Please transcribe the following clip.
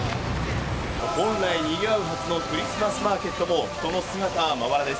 本来にぎわうはずのクリスマスマーケットも、人の姿はまばらです。